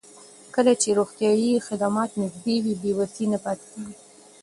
کله چې روغتیايي خدمات نږدې وي، بې وسۍ نه پاتې کېږي.